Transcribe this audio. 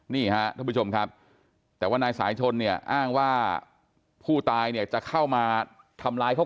นี่ฮะท่านผู้ชมครับแต่ว่านายสายชนเนี่ยอ้างว่าผู้ตายเนี่ยจะเข้ามาทำร้ายเขา